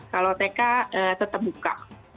kalau tk tetap buka